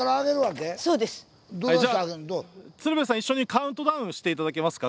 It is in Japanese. じゃあ鶴瓶さん一緒にカウントダウンして頂けますか。